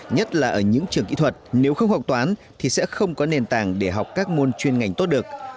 nhất là ở những trường kỹ thuật nếu không học toán thì sẽ không có nền tảng để học các môn chuyên ngành tốt được